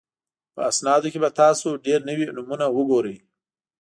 په اسنادو کې به تاسو ډېر نوي نومونه وګورئ.